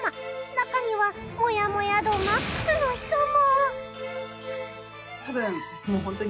中にはモヤモヤ度マックスの人も。